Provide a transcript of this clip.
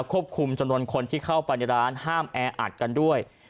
ควบคุมจำนวนคนที่เข้าไปในร้านห้ามแออัดกันด้วย